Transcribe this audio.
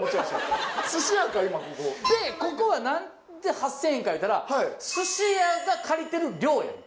でここは何で８０００円かいうたら寿司屋が借りてる寮やねん。